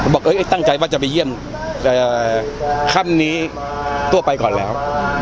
บอกตั้งใจว่าจะไปเยี่ยมแต่ค่ำนี้ตัวไปก่อนแล้ว